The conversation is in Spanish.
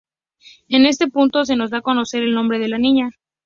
En este punto se nos da a conocer el nombre de la niña.